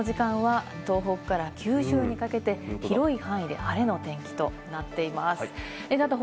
この時間は東北から九州にかけて広い範囲で晴れの天気となっています。